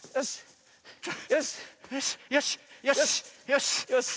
よしよし。